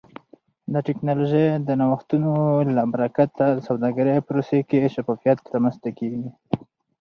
د ټکنالوژۍ د نوښتونو له برکته د سوداګرۍ پروسې کې شفافیت رامنځته کیږي.